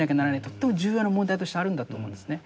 とっても重要な問題としてあるんだと思うんですね。